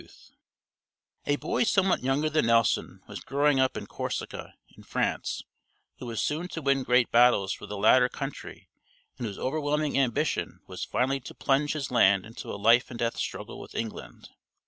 [Illustration: NELSON BOARDING THE "SAN JOSEF"] A boy somewhat younger than Nelson was growing up in Corsica, in France, who was soon to win great battles for the latter country and whose overweaning ambition was finally to plunge his land into a life and death struggle with England.